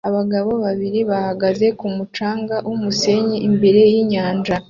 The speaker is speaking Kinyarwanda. Abagabo babiri bahagaze ku mucanga wumusenyi imbere yinyanja